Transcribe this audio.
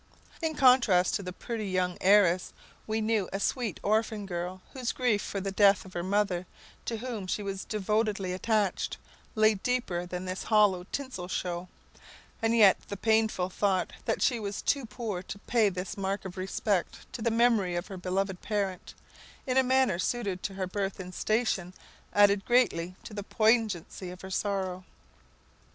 In contrast to the pretty young heiress, we knew a sweet orphan girl whose grief for the death of her mother, to whom she was devotedly attached, lay deeper than this hollow tinsel show; and yet the painful thought that she was too poor to pay this mark of respect to the memory of her beloved parent, in a manner suited to her birth and station, added greatly to the poignancy of her sorrow.